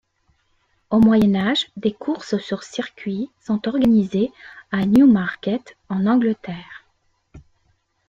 Au Moyen Âge, des courses sur circuits sont organisées à Newmarket en Angleterre.